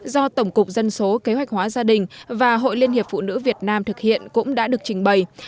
do tổng cục dân số kế hoạch hóa gia đình và hội liên hiệp phụ nữ việt nam thực hiện cũng đã được trình bày